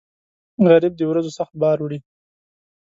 غریب د ورځو سخت بار وړي